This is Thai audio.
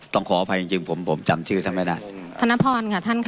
ต้องขออภัยจริงผมจำชื่อท่านพระนาท